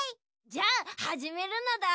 じゃあはじめるのだ。